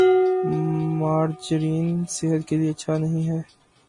margarine صحت کے لئے اچھا نہیں ہے